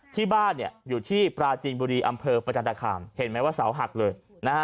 ที่บ้านอยู่ที่ปราจีนบุรีอำเภอประจันตคามเห็นไหมว่าเสาหักเลยนะฮะ